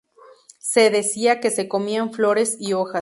Se decía que se comían flores y hojas.